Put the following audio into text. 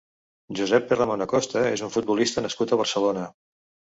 Josep Perramon Acosta és un futbolista nascut a Barcelona.